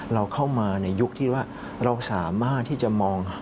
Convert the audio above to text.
เราเข้ามาในยุคที่ว่าเราสามารถที่จะมอง